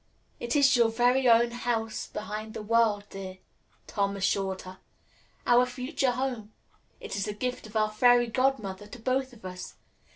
"It is your very own House Behind the World, dear," Tom assured her. "Our future home. It is the gift of our Fairy Godmother to both of us.